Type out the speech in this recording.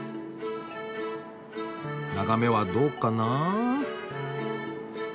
眺めはどうかな？